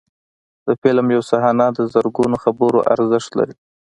د فلم یو صحنه د زرګونو خبرو ارزښت لري.